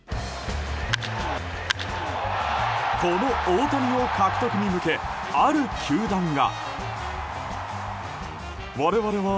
この大谷を獲得に向けある球団が。